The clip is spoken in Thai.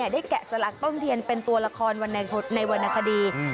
แกะสลักต้นเทียนเป็นตัวละครในวรรณคดี